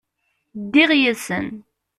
Ddiɣ yid-sen.